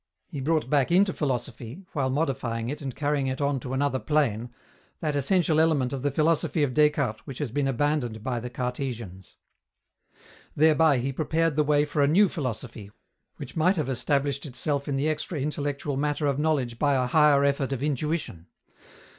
He brought back into philosophy while modifying it and carrying it on to another plane that essential element of the philosophy of Descartes which had been abandoned by the Cartesians. Thereby he prepared the way for a new philosophy, which might have established itself in the extra intellectual matter of knowledge by a higher effort of intuition.